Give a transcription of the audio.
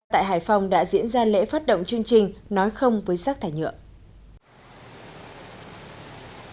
tại hải phòng đã diễn ra lễ phát động chương trình nói không với rác thải nhựa